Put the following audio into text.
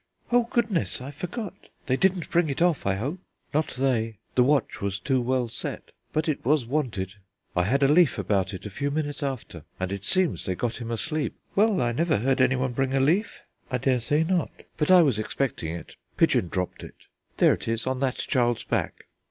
"Oh goodness! I forgot! They didn't bring it off, I hope." "Not they; the watch was too well set, but it was wanted. I had a leaf about it a few minutes after, and it seems they got him asleep." "Well! I never heard anyone bring a leaf." "I dare say not, but I was expecting it; pigeon dropped it. There it is, on that child's back."